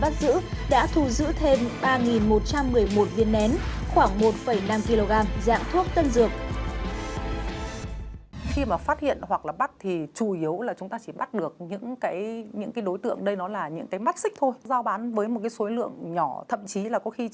một lượng chức năng tiến hành khám xét khẩn cấp tại nơi bắt giữ đã thu giữ thêm ba một trăm một mươi một viên nén khoảng một năm kg dạng thuốc tân dược